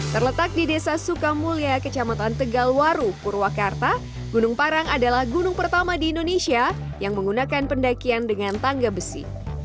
terletak di desa sukamulya kecamatan tegalwaru purwakarta gunung parang adalah gunung pertama di indonesia yang menggunakan pendakian dengan tangga besi